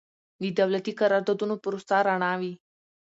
د دولتي قراردادونو پروسه رڼه وي.